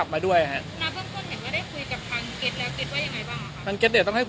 บอกว่าเออขอส่ายอาหาร